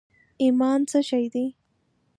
ایمان څه شي دي؟